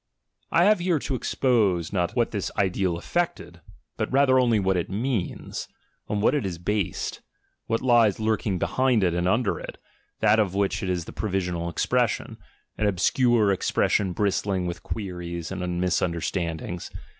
I have here to expose not what this ideal effected; but rather only what it means, on what it is based, what lies lurk ing behind it and under it, that of which it is the pro visional expression, an obscure expression bristling with queries and misunderstandings.